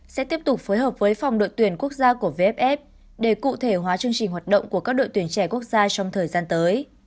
sẽ tiếp tục phối hợp với phòng đội tuyển quốc gia của vff để cụ thể hóa chương trình hoạt động của các đội tuyển trẻ quốc gia trong thời gian tới